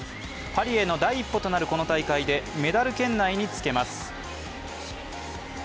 パリへの第一歩となるこの大会でメダル圏内につけます。